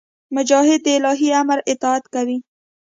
مجاهد د الهي امر اطاعت کوي.